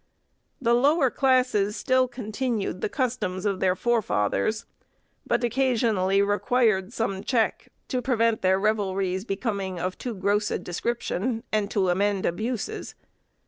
The lower classes still continued the customs of their forefathers, but occasionally required some check, to prevent their revelries becoming of too gross a description, and to amend abuses.